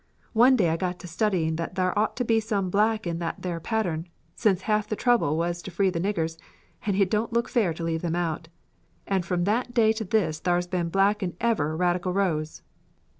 One day I got to studying that thar ought to be some black in that thar pattern, sence half the trouble was to free the niggers, and hit didn't look fair to leave them out. And from that day to this thar's been black in ever' Radical Rose."